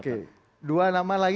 oke dua nama lagi